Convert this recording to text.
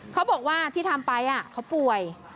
เขาบอกว่าที่ทำไปเขาป่วย